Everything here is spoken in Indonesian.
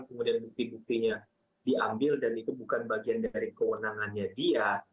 kemudian bukti buktinya diambil dan itu bukan bagian dari kewenangannya dia